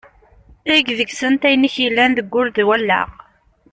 Eg deg-sent ayen i k-yellan deg wul d wallaɣ.